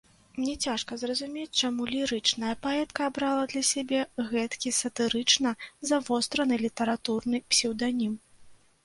Мне цяжка зразумець, чаму лірычная паэтка абрала для сябе гэткі сатырычна завостраны літаратурны псеўданім.